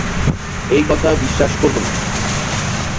এই কথা বিশ্বাস করব না।